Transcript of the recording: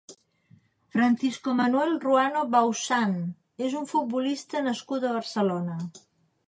Francisco Manuel Ruano Bausán és un futbolista nascut a Barcelona.